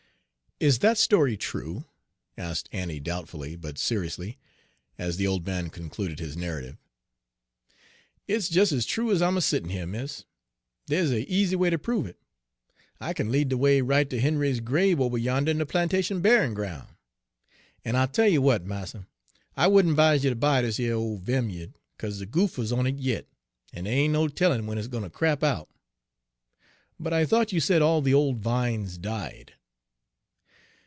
"Is that story true?" asked Annie doubtfully, but seriously, as the old man concluded his narrative. "It's des ez true ez I'm a settin' here, miss. Dey's a easy way ter prove it: I kin lead de way right ter Henry's grave ober yander in de plantation buryin' groun'. En I tell yer w'at, marster, I wouldn' 'vise you to buy dis yer ole vimya'd, 'caze de goopher's on it yit, en dey ain' no tellin' w'en it's gwine ter crap out." "But I thought you said all the old; vines died."